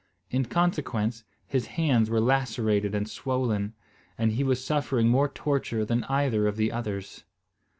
In consequence, his hands were lacerated and swollen, and he was suffering more torture than either of the others.